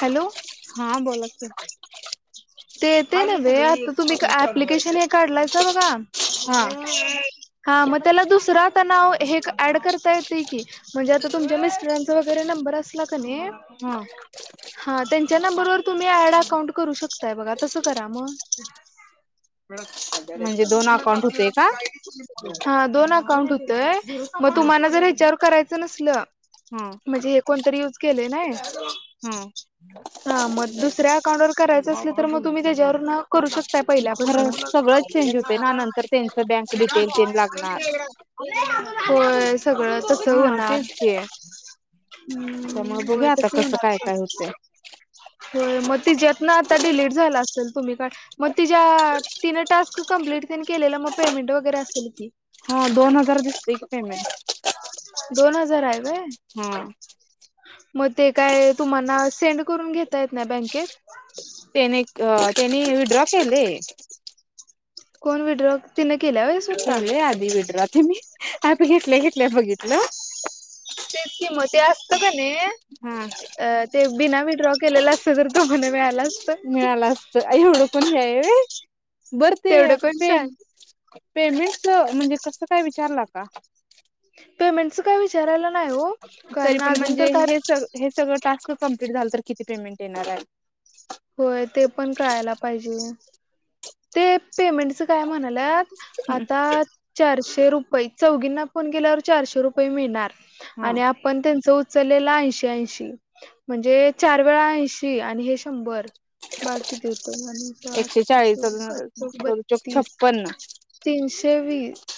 Hello हां बोला की ते येतयं नव्हे, आता तुम्ही क् अप्लिकेशन हे काढलायसा बघा. हा हा म त्याला दुसरा तणाव, हे क् ऍड करता येतयं की म्हनजे आता तुमच्या मिस्टरांचा वगैरे नंबर असला कनै हं. हा, त्यांच्या नंबरवर तुम्ही ऍड अकाउंट करू शक ताय बघा. तसं करा म म्हणजे दोन अकाउंट होते का? हा, दोन अकाउंट हूतय. म हा तुम्हाला जर हेच्यावर करायचं नसलं हा म्हजे हे कोनतरी युज केलयं ना हे, हा हा, म दुसऱ्या अकाउंटवर करायचं असलं, तर म तुम्ही तेच्यावरन करू शक ता खरं सगळंच चेंज पहिल्यापासनं होते ना नंतर त्यांचं बँक डिटेल तेन लागणार. होय. सगळं तसं हा होनार. तेच की त्यामुळे हम्म.. होय बघूया आता तसं कसं होणार काय पन, काय होतंय. होय, म तिच्यातनं आता डिलेट झाला असेल तुम्ही काढ म तिच्या, तिनं टास्क कंम्प्लीट तिने केलेलं, म पेमेंट वगैरे असेल की. हो, दोन हजार दिसतेय की पेमेंट. दोन हजार हायं व्हयं? हम्- मग ते काय तुम्हाना सेंड करून घेता येत नाही बँकेत? त्याने एक त्याने विड्रॉ केले. कोण विड्रॉ? तिन केलं होय? केलयं आधी विड्रा मी, आता घेतल्या घेतल्या बघितलं. तेच कि म, ते असतं कनी हा अ ते बिना विड्रॉ- केलेलं असतं तर तुम्हाला मिळालं असत. मिळालं असत बर ते पे पेमेंटच म्हणजे कसं काय विचारला का? पेमेंटच काय विचारायला नाही हो तरी कारण पण अजून म्हणजे तर काय- हे सग हे सगळं टास्क कंप्लीट झालं तर किती पेमेंट येणार आहे? होय ते पण कळायला पाहिजे. ते पेमेंटचं काय म्हणाल्यात, आहे आता- चारशे रुपये, चौघींना फोन केल्यावर चारशे रुपये मिळणार हा आणि आप- पण त्यांचं उचललेला ऐंशी ऐंशी. म्हणजे चार वेळा ऐंशी आणि हे शंभर बघा किती होतंय आणि- एकशे चाळीस. सात चोक चौक बत्तीस, छप्पन्न तीनशे वीस.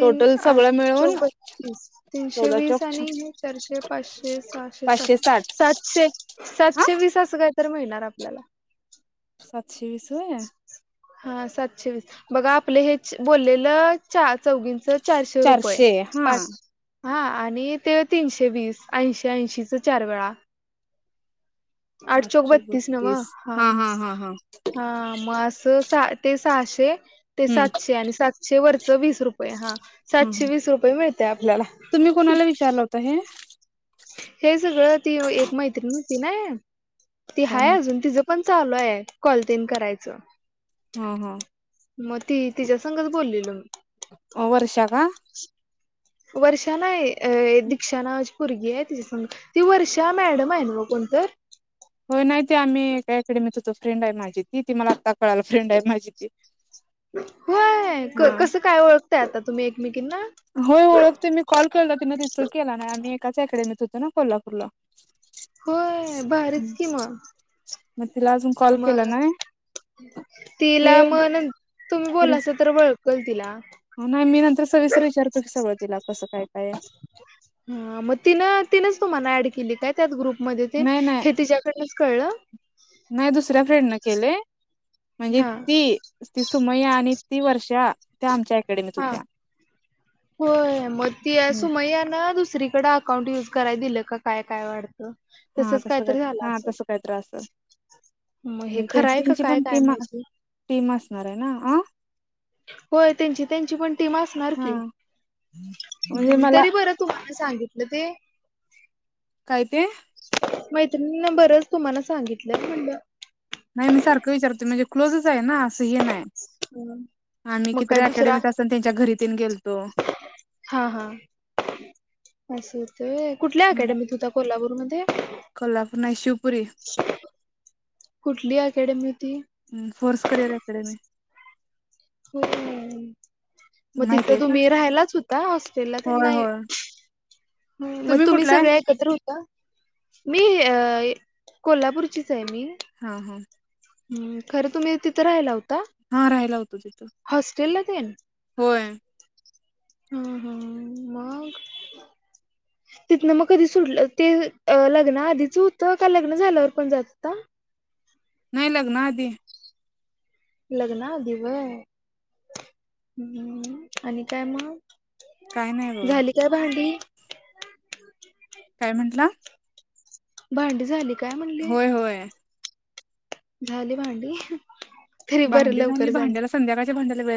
टोटल आठ सगळं मिळून चोक बत्तीस, तीनशे चौदा वीस चौक आणि- चारशे पाचशे सहाशे पाचशे सातशे. साठ सातशे, हा सातशे वीस- तसं काय तर मिळणार आपल्याला. सातशे वीस होय? हा सातशे वीस. बघा आपलं हे बोललेलं- चार चौघींच चारशे रुपये, पाच- हा आणि ते तीनशे वीस ऐंशी ऐंशीच चार वेळा. आठ चोक बत्तीस ना मग. हा, हा म अस- स ते सहाशे ते हम्म सातशे आणि सातशे वरच वीस रुपये हा. हम्म सातशे वीस रुपये मिळते आपल्याला ह. त हे- हे सगळं ती व एक मैत्रिण होती ना, ती कोण हाय अजून तीच- पण चालू आहे कॉलतेन करायचं. हा हा. मग ती, तिच्या संगच बोललेलो. वर्षा का? वर्षा नाही, अ दिक्षा नावाची पोरगी आहे तीच्या संग. ती वर्षा मॅडम आहे नव्ह कोण तर? होय नाही ते आम्ही काय टाईमीच फ्रेंड आहे माझी ती, ती मला आत्ता - होय क हा कसं काय ओळखताय आता तुम्ही एकमेकींना? होय ओळखते मी कॉल केला तिनं रिसीव् केला नाही, आम्ही एकाच अकॅडमीत होतो ना कोल्हापूरला. होय, भारीच कि मग. मग तीला अजून- कॉल केला मग, नाही तिला ते म नंत तुम्ही तिला बोललास- तर वळखतोय तिला. नाही मी नंतर सविस्तर विचारतो की सगळं तिला कसं काय काय. ह मग तिन तिनच तुम्हाला ऍड केली काय त्या ग्रुप मध्ये ते नाही नाही हे तीच्या- [unintelligible] कळलं नाही दुसऱ्या फ्रेंडनं केलेय म्हणजे हा ती. ती सुमय्या आणि ती वर्षा. त्या आमच्या अकॅडमीत हा होत्या. होय मग ती सुमय्या ना दुसरीकडे काउंट युज कराय दिलं की काय काय वाटतं हा तसच काय तसं तरी झालं हा असेल. तसं काय तर असल मग हे म्हणजे खरं हाय त्यांची का त्यांची काय पण काय टीम माहिती टीम असणार आहे ना आ. होय त्यांची त्यांची पण टीम असणार हा की म्हणजे मला तरी बर तुम्हाला सांगितलं ते. काय ते? मैत्रिणीनं बरंच तुम्हाला सांगितलं, म्हणल नाही, मी सारखं विचारतो म्हणजे क्लोजच आहे ना, असं हे नाही. आम्ही मग किती काय दुसरा तर [unintelligible] असन त्यांच्या घरी तेन गेलतो. हा हा, असं होतं होय, कुठल्या हम्म अकॅडमीत होता कोल्हापूरमध्ये? कोल्हापूर नाही शिवपुरी [inaudible] कुठली अकॅडमी होती? हम्म, फोर्स करिअर अकॅडमी. हो, मग तिथं माहितीये का? तुम्ही राहायलाच होता हॉस्टेलला त्यांना होय नाय होय मग तुम्ही कुठला आहे? सगळ्या एकत्र होता? मी कोल्हापूरचीच आहे मी. हा हा. हं, खरं तुम्ही तिथे राहियला का, हा राहायला होतो तिथं हॉस्टेलला तेन? होय हा, हा, मग तिथनं मग कधी सुटलं? ते लग्नआधीच होतं, का लग्न झाल्यावर पण जात होता? नाय लग्नाआधी. लग्नाआधी व्हय, आणि काय मग? काय नाही बघा. ऐ भांडी काय म्हंटला? भांडी झाली काय म्हणली? होय होय झाली भांडी, तरी बरं लवकर झाली. संध्याकाच्या भांड्याला वेळ